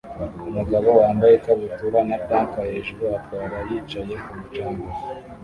Umugabo wambaye ikabutura na tank hejuru atwara yicaye kumu canga